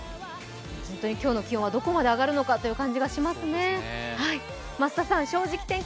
本当に今日の気温はどこまで上がるのかという感じがしますね。